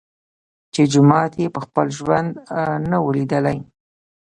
چي جومات یې په خپل ژوند نه وو لیدلی